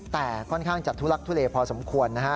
แต่ค่อนข้างจะทุลักทุเลพอสมควรนะฮะ